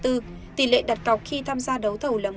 tỷ lệ đặt cọc khi tham gia đấu thầu là một